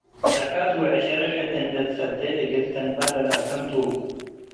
ዘካት ወዕሸርመ ሕድ እንዴ ትሰዴ እግል ትንበር ለለአፍህም ቱ ።